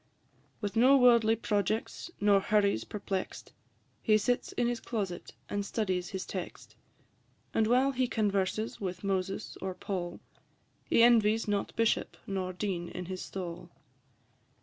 With no worldly projects nor hurries perplex'd, He sits in his closet and studies his text; And while he converses with Moses or Paul, He envies not bishop, nor dean in his stall.